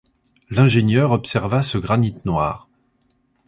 L’ingénieur observa ce granit noir.